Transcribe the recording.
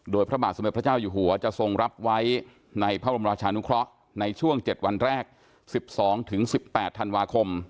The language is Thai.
โดยพระบาทสมเด็จพระเจ้าอยู่หัวจะทรงรับไว้ในพระบรมราชานุเคราะห์ในช่วง๗วันแรก๑๒๑๘ธันวาคม